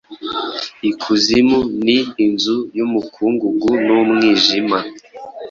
Ikuzimu ni inzu yumukungugunumwijima